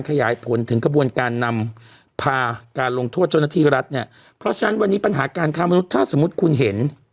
คุณมีเบาะแส